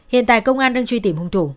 hiện tại công an đang truy tìm hung thủ